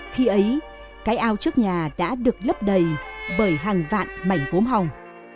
khi ấy cái ao trước nhà đã được lấp đầy bởi hàng vạn mảnh gốm hồng